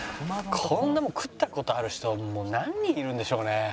こんなもん食った事ある人何人いるんでしょうね？